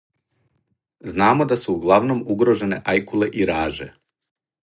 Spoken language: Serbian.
Знамо да су углавном угрожене ајкуле и раже.